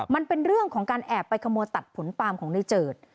มันเป็นเรื่องของการแอบไปขโมยตัดผลปาล์มของในเจิด